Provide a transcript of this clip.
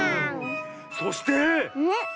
そして！